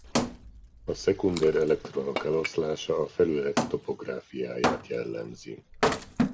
A szekunder elektronok eloszlása a felület topográfiáját jellemzi.